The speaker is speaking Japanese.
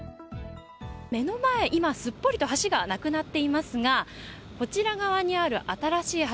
目の前、今すっぽりと橋がなくなっていますがこちら側にある新しい橋